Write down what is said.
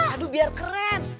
aduh biar keren